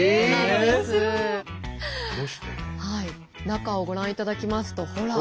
中をご覧いただきますとほら。